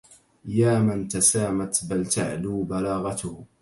يا من تسامت بل تعلو بلاغته